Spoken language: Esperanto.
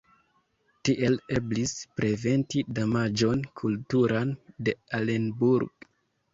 Tiel eblis preventi damaĝon kulturan de Alenburg.